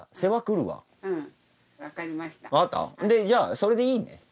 じゃあそれでいいね。